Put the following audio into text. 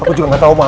aku juga gak tau ma